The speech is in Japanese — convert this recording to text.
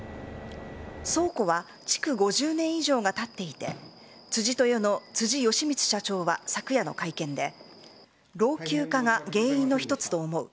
倉庫は築５０年以上がたっていて辻豊の辻賀光社長は昨夜の会見で老朽化が原因の一つと思う。